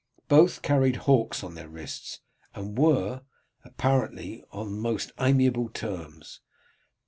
Both carried hawks on their wrists, and were, apparently, on the most amiable terms.